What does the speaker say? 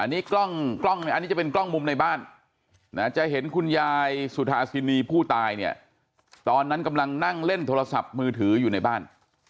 อันนี้กล้องอันนี้จะเป็นกล้องมุมในบ้านจะเห็นคุณยายสุธาสินีผู้ตายเนี่ยตอนนั้นกำลังนั่งเล่นโทรศัพท์มือถืออยู่ในบ้าน